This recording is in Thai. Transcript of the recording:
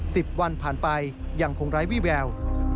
สิบวันผ่านไปยังคงไร้วี่แวว